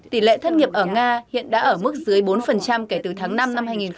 tỉ lệ thất nghiệp ở nga hiện đã ở mức dưới bốn kể từ tháng năm năm hai nghìn hai mươi hai